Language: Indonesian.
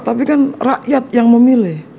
tapi kan rakyat yang memilih